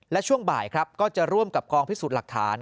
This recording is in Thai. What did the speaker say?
และช่วงบ่ายครับก็จะร่วมกับกองพิสูจน์หลักฐาน